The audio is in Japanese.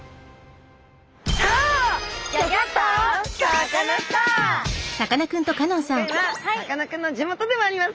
さあ今回はさかなクンの地元でもあります